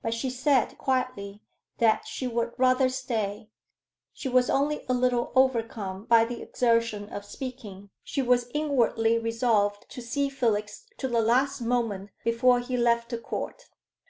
But she said, quietly, that she would rather stay; she was only a little overcome by the exertion of speaking. She was inwardly resolved to see Felix to the last moment before he left the Court.